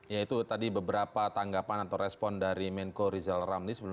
ya itu tadi beberapa tanggapan atau respon dari menko rizal ramli